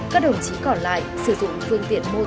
các đồng chí còn lại sử dụng phương tiện mô tô